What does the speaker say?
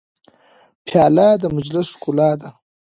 پیاله د مجلس ښکلا ده.